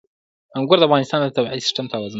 انګور د افغانستان د طبعي سیسټم توازن ساتي.